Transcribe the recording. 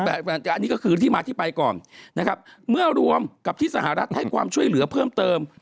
เดี๋ยวจะอธิบายเมื่อรวมกับที่สหรัฐให้ความช่วยเหลือเพิ่มเติม